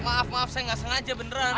maaf maaf saya nggak sengaja beneran